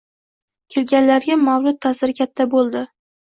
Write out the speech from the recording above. Kelganlarga mavlud ta'siri katta bo'ldi.